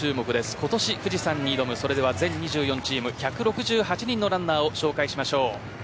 今年富士山に挑む全２４チーム１６８人の名を紹介しましょう。